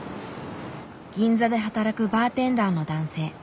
銀座で働くバーテンダーの男性。